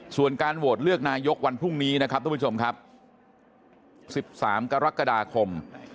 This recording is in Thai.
ส่วนการโหวตเลือกนายกวันพรุ่งนี้๑๓กรกฎาคม